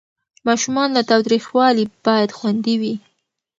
ماشومان له تاوتریخوالي باید خوندي وي.